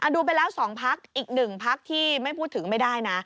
ดูไปแล้ว๒พักอีก๑พักที่ไม่พูดถึงไม่ได้นะ